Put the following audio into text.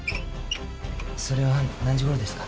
それは何時ごろですか？